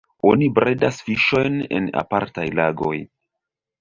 Oni bredas fiŝojn en apartaj lagoj.